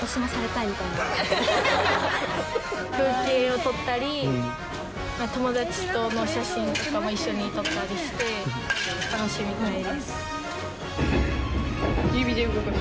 風景を撮ったり友達との写真とかも一緒に撮ったりして楽しみたいです。